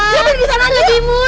ya beli disana aja